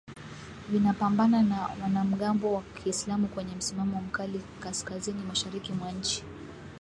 vinapambana na wanamgambo wa kiislamu wenye msimamo mkali kaskazinimashariki mwa nchi